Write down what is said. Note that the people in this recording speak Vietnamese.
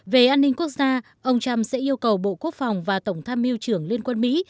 về an ninh quốc gia ông trump sẽ yêu cầu bộ quốc phòng và tổng tham mưu trưởng liên quân mỹ